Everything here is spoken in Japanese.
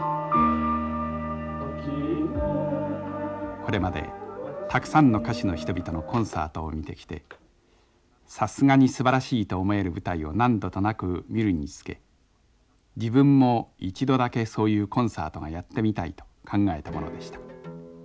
「これまでたくさんの歌手の人々のコンサートを見てきてさすがにすばらしいと思える舞台を何度となく見るにつけ自分も一度だけそういうコンサートがやってみたいと考えたものでした。